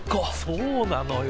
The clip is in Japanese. そうなのよ。